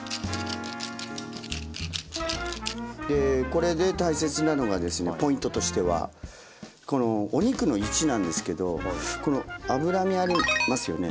これで大切なのがポイントとしてはこのお肉の位置なんですけどこの脂身ありますよね